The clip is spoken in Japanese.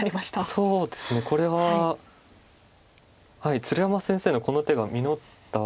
そうですねこれは鶴山先生のこの手が実った。